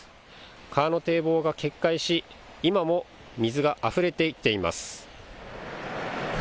川の堤防が決壊し今も水があふれていっています。